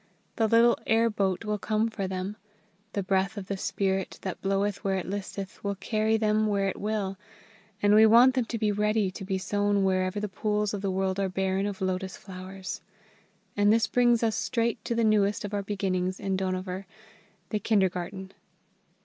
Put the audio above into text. The little air boat will come for them. The breath of the Spirit that bloweth where it listeth will carry them where it will, and we want them to be ready to be sown wherever the pools of the world are barren of lotus flowers. And this brings us straight to the newest of our beginnings in Dohnavur the Kindergarten.